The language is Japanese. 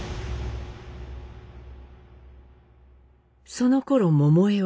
そのころ桃枝は。